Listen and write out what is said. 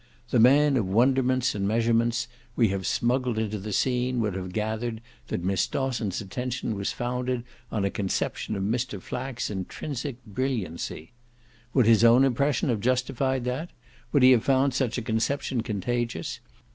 The man of wonderments and measurements we have smuggled into the scene would have gathered that Miss Dosson's attention was founded on a conception of Mr. Flack's intrinsic brilliancy. Would his own impression have justified that? would he have found such a conception contagious?